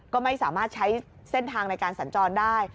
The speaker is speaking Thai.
ก็ไม่สามารถใช้เส้นทางในการสัญจรได้